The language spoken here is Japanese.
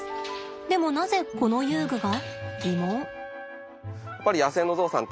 でもなぜこの遊具が？